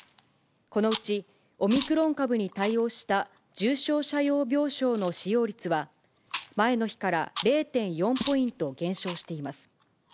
このうちオミクロン株に対応した重症者用病床の使用率は、前の日から０．４ポイント減少しています。